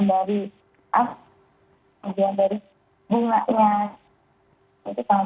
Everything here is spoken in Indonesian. baik mbak untuk paes ageng ya mbak paes asing jogja sama solo itu sama berbeda